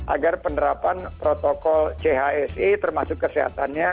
agar penerapan protokol chse termasuk kesehatannya